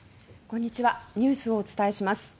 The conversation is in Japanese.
こんにちはニュースをお伝えします。